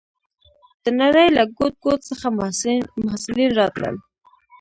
د نړۍ له ګوټ ګوټ څخه محصلین راتلل.